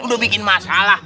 udah bikin masalah